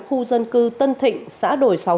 khu dân cư tân thịnh xã đồi sáu mươi một